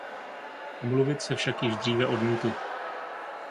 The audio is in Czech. Omluvit se však již dříve odmítl.